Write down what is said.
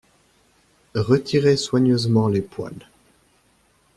Retirer soigneusement les poils